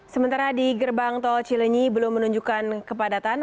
sementara di gerbang tol cilenyi belum menunjukkan kepadatan